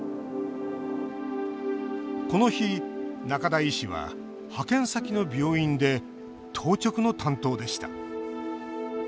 この日、仲田医師は派遣先の病院で当直の担当でした。